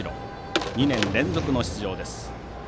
２年連続の出場です。